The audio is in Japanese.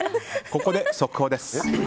ここで速報です。